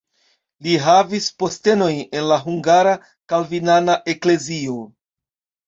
Li havis postenojn en la hungara kalvinana eklezio.